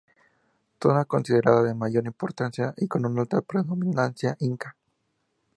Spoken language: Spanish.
Zona considerada de mayor importancia y con una alta predominancia Inka.